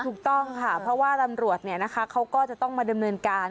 ถูกต้องค่ะเพราะว่าตำรวจเขาก็จะต้องมาดำเนินการ